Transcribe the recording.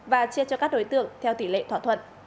và chia cho các đối tượng theo tỷ lệ thỏa thuận